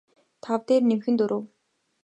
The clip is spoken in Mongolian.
тав дээр нэмэх нь дөрөв